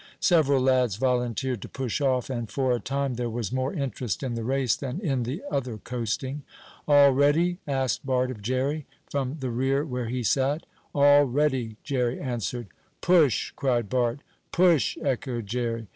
Several lads volunteered to push off, and for a time there was more interest in the race than in the other coasting. "All ready?" asked Bart of Jerry, from the rear where he sat. "All ready," Jerry answered. "Push!" cried Bart. "Push!" echoed Jerry.